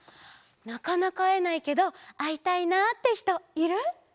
なかなかあえないけどあいたいなってひといる？